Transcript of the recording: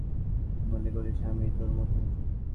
কি মনে করিস, আমি তোর মতো?